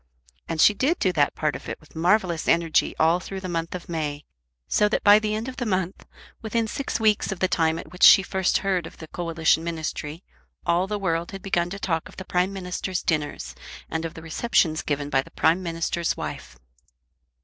And she did do that part of it with marvellous energy all through the month of May, so that by the end of the month, within six weeks of the time at which she first heard of the Coalition Ministry, all the world had begun to talk of the Prime Minister's dinners, and of the receptions given by the Prime Minister's wife.